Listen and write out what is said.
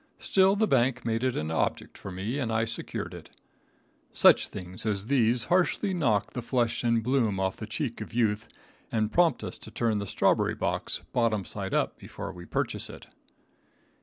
Still the bank made it an object for me, and I secured it. Such things as these harshly knock the flush and bloom off the cheek of youth, and prompt us to turn the strawberry box bottom side up before we purchase it.